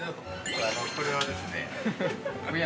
◆これはですね、ホヤ。